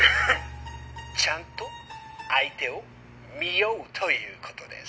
ちゃんと相手を見ようということです。